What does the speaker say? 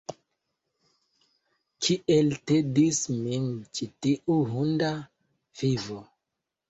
Kiel tedis min ĉi tiu hunda vivo!